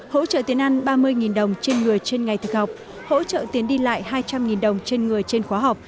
hỗ trợ tiền ăn ba mươi đồng trên người trên ngày thực học hỗ trợ tiến đi lại hai trăm linh đồng trên người trên khóa học